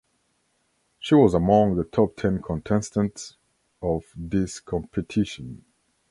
She was among the top ten contestants of this competition.